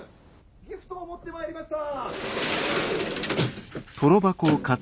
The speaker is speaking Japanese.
ギフトを持ってまいりました。